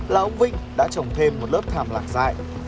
là ông vinh đã trồng thêm một lớp thảm lạc dại